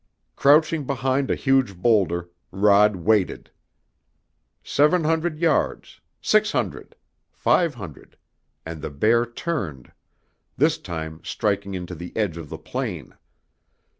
Crouching behind a huge boulder Rod waited. Seven hundred yards, six hundred, five hundred, and the bear turned, this time striking into the edge of the plain.